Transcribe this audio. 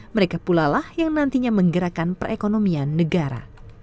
mereka pula lah yang nantinya menggerakkan perekonomian negara